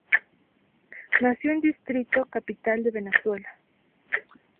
Nació en el Distrito Capital de Venezuela.